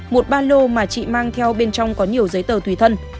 một ba lô mà chị mang theo bên trong có nhiều giấy tờ tùy thân